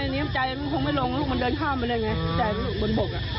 มันแน่นิยมใจมันคงไม่ลงมันเดินข้ามไปเลยอย่างไรใจมันบนบกอ่ะ